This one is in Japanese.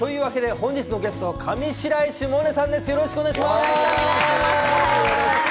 本日のゲスト、上白石萌音さよろしくお願いします。